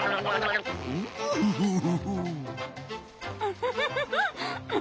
ウフフフフ。